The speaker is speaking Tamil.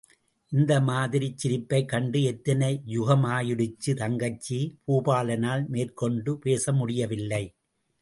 இந்த மாதிரிச் சிரிப்பைக் கண்டு எத்தனை யுகமாயிடுச்க...? தங்கச்சி! பூபாலனால் மேற்கொண்டு பேச முடியவில்லை.